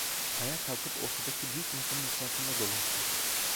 Ayağa kalkıp ortadaki büyük masanın etrafında dolaştım.